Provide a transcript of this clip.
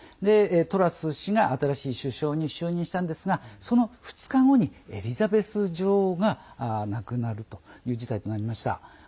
トラス氏が新しい首相に就任したんですがその２日後にエリザベス女王が亡くなるという事態となりました。